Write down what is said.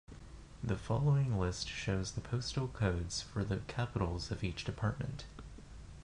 The following list shows the postal codes for the capitals of each department.